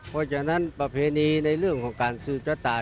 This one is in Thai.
เพราะฉะนั้นประเพณีในเรื่องของการสืบชะตา